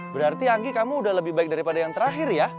berarti anggi kamu udah lebih baik daripada yang terakhir ya